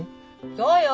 そうよ。